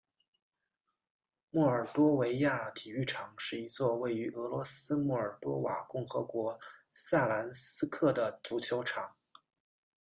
莫尔多维亚体育场是一座位于俄罗斯莫尔多瓦共和国萨兰斯克的足球场。